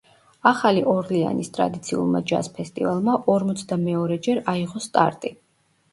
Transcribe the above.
ახალი ორლეანის ტრადიციულმა ჯაზ ფესტივალმა ორმოცდამეორეჯერ აიღო სტარტი.